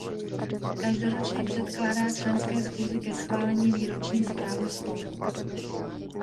Každoročně předkládá členské schůzi ke schválení výroční zprávu spolku.